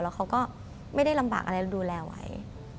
แล้วเขาก็ไม่ได้ลำบากอะไรเราดูแลไว้